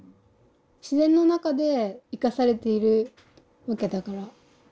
自然の中で生かされているわけだから。